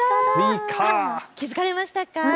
気付かれましたか。